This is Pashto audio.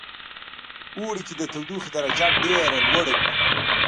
اوړی کې د تودوخې درجه ډیره لوړه وی